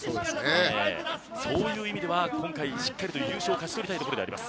そういう意味では今回はしっかり優勝を勝ち取りたいところです。